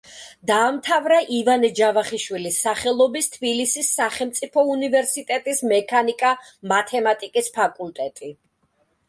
დაამთავრა ივანე ჯავახიშვილის სახელობის თბილისის სახელმწიფო უნივერსიტეტის მექანიკა-მათემატიკის ფაკულტეტი.